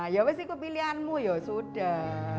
ya apa sih kepilihanmu ya sudah